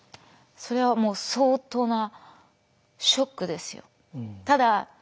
それはもう相当なショックですよ。